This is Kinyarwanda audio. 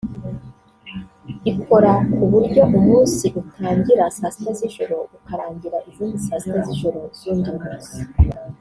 ikora ku buryo umunsi utangira saa sita z’ijoro ukarangira izindi saa sita z’ijoro z’undi munsi